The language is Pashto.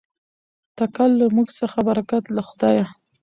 تکل له موږ څخه برکت له خدایه.